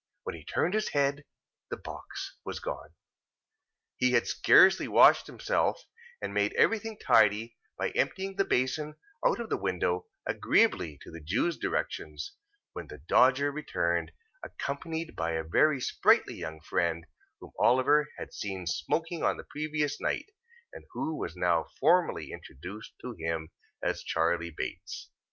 When he turned his head, the box was gone. He had scarcely washed himself, and made everything tidy, by emptying the basin out of the window, agreeably to the Jew's directions, when the Dodger returned: accompanied by a very sprightly young friend, whom Oliver had seen smoking on the previous night, and who was now formally introduced to him as Charley Bates.